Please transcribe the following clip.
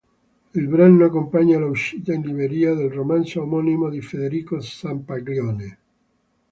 Il brano accompagna l'uscita in libreria del romanzo omonimo di Federico Zampaglione.